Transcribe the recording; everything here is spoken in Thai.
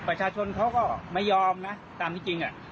ประชาชนเขาก็ไม่ยอมนะตามที่จริง